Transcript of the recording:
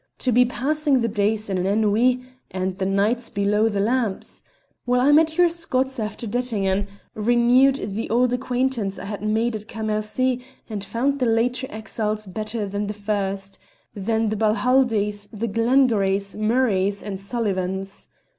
To be passing the days in an ennui and the nights below the lamps? Well, I met your Scots after Dettingen, renewed the old acquaintance I had made at Cam mercy, and found the later exiles better than the first than the Balhaldies, the Glengarries, Mur rays, and Sullivans.